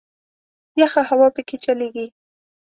یخه هوا په کې چلیږي.